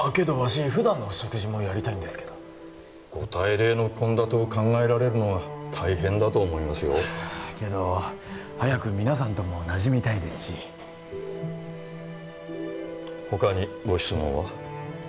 普段の食事もやりたいんですけどご大礼の献立を考えられるのは大変だと思いますよけど早く皆さんともなじみたいですし他にご質問は？